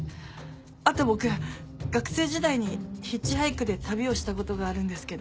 あと僕学生時代にヒッチハイクで旅をしたことがあるんですけど。